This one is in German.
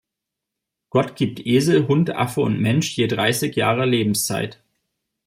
Gott gibt Esel, Hund, Affe und Mensch je dreißig Jahre Lebenszeit.